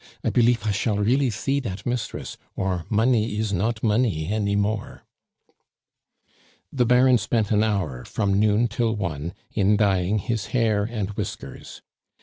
I belief I shall really see dat mistress or money is not money any more." The Baron spent an hour, from noon till one, in dyeing his hair and whiskers.